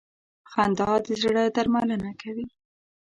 • خندا د زړه درملنه کوي.